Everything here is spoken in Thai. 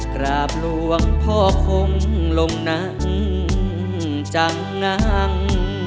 กราบหลวงพ่อคงลงหนังจังหนัง